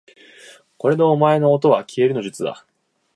これでお前のおとはきえるの術だ